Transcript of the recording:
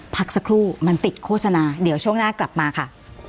พักสักครู่มันติดโฆษณาเดี๋ยวช่วงหน้ากลับมาค่ะ